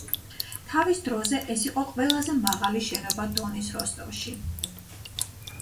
თავის დროზე ეს იყო ყველაზე მაღალი შენობა დონის როსტოვში.